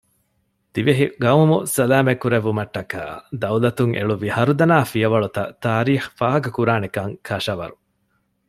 ދިވެހި ޤައުމު ސަލާމަތް ކުރެއްވުމަށްޓަކައި ދައުލަތުން އެޅުއްވި ހަރުދަނާ ފިޔަވަޅުތައް ތާރީޚް ފާހަގަކުރާނެކަން ކަށަވަރު